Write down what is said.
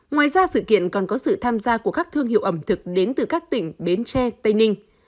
ngoài ra sự kiện còn có sự tham gia của các thương hiệu ẩm thực đến từ các tỉnh bến tre tây ninh